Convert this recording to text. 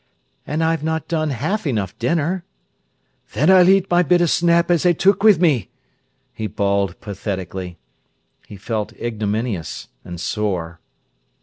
"And I've not done half enough dinner." "Then I'll eat my bit o' snap as I took with me," he bawled pathetically. He felt ignominious and sore.